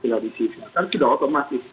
tidak disimpulkan tidak otomatis